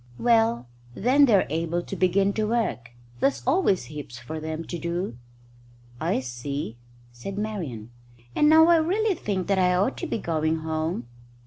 "Well, then they're able to begin to work. There's always heaps for them to do." "I see," said Marian; "and now I really think that I ought to be going home."